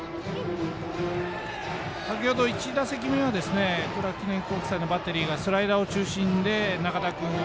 先ほど１打席目はクラーク記念国際のバッテリーがスライダーを中心で仲田君を。